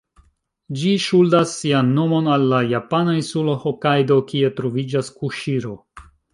Ĝi ŝuldas sian nomon al la japana insulo Hokajdo, kie troviĝas Kuŝiro.